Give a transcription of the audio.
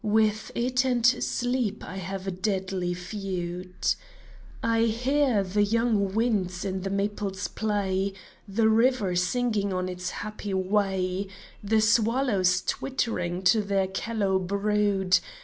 With it and Sleep I have a deadly feud. I hear the young winds in the maples play, The river singing on its happy way, The swallows twittering to their callow brood.